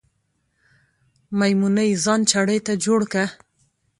میمونۍ ځان چړې ته جوړ که